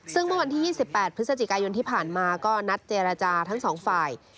ซึ่งเมื่อวันที่๒๘พฤศจิกายนที่ผ่านมาก็นัดเจรจาทั้งสองฝ่าย